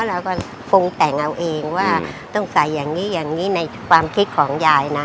เราก็ปรุงแต่งเอาเองว่าต้องใส่อย่างนี้อย่างนี้ในความคิดของยายนะ